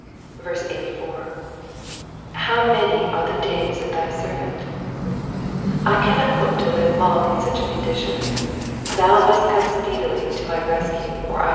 84. ''How many are the days of thy servant V^ I cannot hope to live long in such a condition, thou must come speedily to my rescu6 or I shall die.